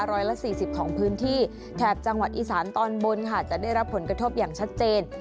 ร้อยละสี่สิบของพื้นที่แถบจังหวัดอีสานตอนบนค่ะจะได้รับผลกระทบอย่างชัดเจน